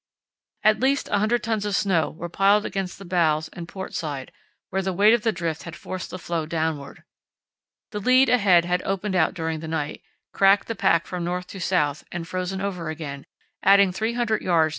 At least 100 tons of snow were piled against the bows and port side, where the weight of the drift had forced the floe downward. The lead ahead had opened out during the night, cracked the pack from north to south and frozen over again, adding 300 yds.